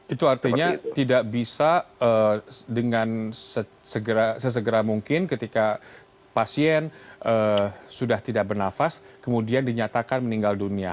itu artinya tidak bisa dengan sesegera mungkin ketika pasien sudah tidak bernafas kemudian dinyatakan meninggal dunia